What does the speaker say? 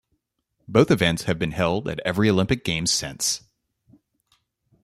Both events have been held at every Olympic Games since.